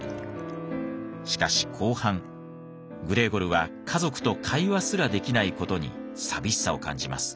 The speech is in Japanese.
しかし後半グレーゴルは家族と会話すらできない事に寂しさを感じます。